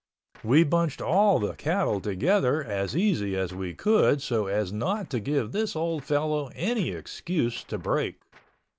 We bunched all the cattle together as easy as we could so as not to give this old fellow any excuse to break.